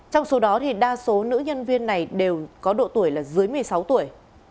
trong số đó đa số nữ nhân viên này đều có độ tuổi là dưới một mươi sáu tuổi